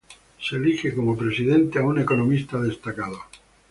Se elige como presidente a un economista destacado.